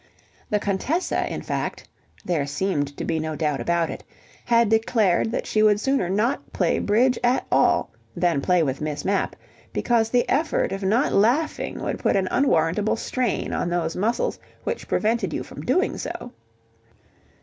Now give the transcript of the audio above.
The Contessa, in fact there seemed to be no doubt about it had declared that she would sooner not play bridge at all than play with Miss Mapp, because the effort of not laughing would put an unwarrantable strain on those muscles which prevented you from doing so.